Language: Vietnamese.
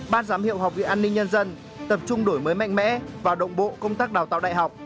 ban giám hiệu học viện an ninh nhân dân tập trung đổi mới mạnh mẽ và đồng bộ công tác đào tạo đại học